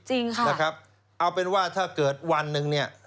ใช้๕๐๐๑๐๐๐ลิตรเอาเป็นว่าถ้าเกิดวันนึงเนี่ย